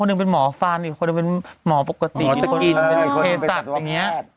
คนดึงเป็นหมอฟันคนนึงเป็นหมอสิบอินคนอื่นเป็นถึงทัศน์แบบแทด